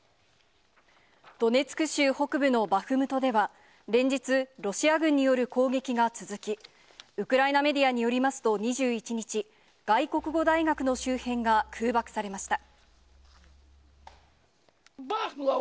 ドネツク州北部のバフムトでは、連日、ロシア軍による攻撃が続き、ウクライナメディアによりますと、２１日、外国語大学の周辺が空爆されました。